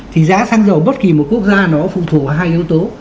thì giá xăng dầu bất kỳ một quốc gia nào phụ thuộc vào hai yếu tố